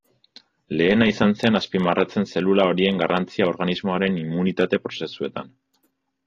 Lehena izan zen azpimarratzen zelula horien garrantzia organismoaren immunitate prozesuetan.